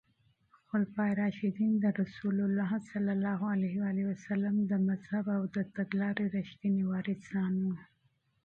خلفای راشدین د رسول الله ص د مذهب او تګلارې رښتیني وارثان وو.